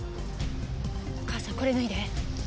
母さんこれ脱いで。